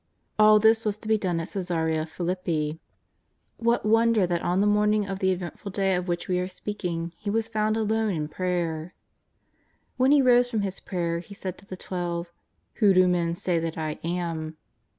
All this was to be done at Ca?sarca Philippi. What 25G JESUS OF NAZARETH. 257 wonder that on the morning of the eventful day of which we are speaking He was found alone in prayer ! When He rose from His prayer He said to the Twelve :" Who do men say that I am